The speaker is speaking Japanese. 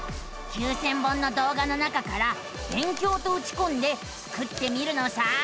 ９，０００本の動画の中から「勉強」とうちこんでスクってみるのさあ。